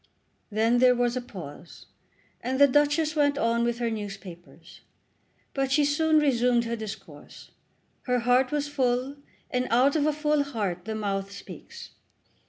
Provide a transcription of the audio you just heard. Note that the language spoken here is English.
Then there was a pause, and the Duchess went on with her newspapers; but she soon resumed her discourse. Her heart was full, and out of a full heart the mouth speaks.